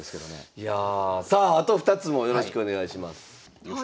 いやあさああと２つもよろしくお願いします。